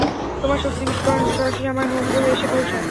তোমার শক্তির বিস্ফোরণ সরাসরি আমার হোম গ্রহে এসে পৌঁছায়।